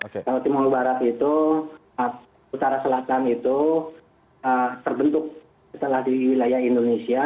jawa timur barat itu utara selatan itu terbentuk setelah di wilayah indonesia